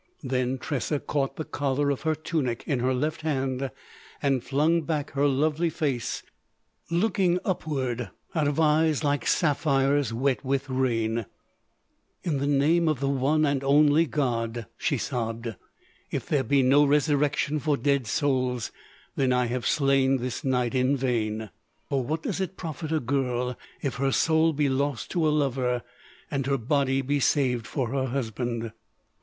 Then Tressa caught the collar of her tunic in her left hand and flung back her lovely face looking upward out of eyes like sapphires wet with rain: "In the name of the one and only God," she sobbed—"if there be no resurrection for dead souls, then I have slain this night in vain! "For what does it profit a girl if her soul be lost to a lover and her body be saved for her husband?"